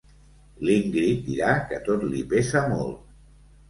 L'Ingrid dirà que tot li pesa molt.